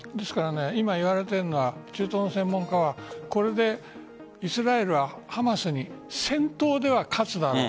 今いわれているのは中東の専門家はこれでイスラエルはハマスに戦闘では勝つだろう。